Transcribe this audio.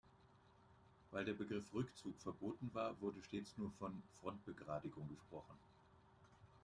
Weil der Begriff "Rückzug" verboten war, wurde stets nur von Frontbegradigung gesprochen.